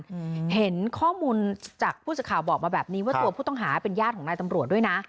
อืมเห็นข้อมูลจากผู้สื่อข่าวบอกมาแบบนี้ว่าตัวผู้ต้องหาเป็นญาติของนายตำรวจด้วยนะ